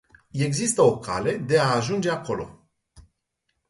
Există o cale de a ajunge acolo.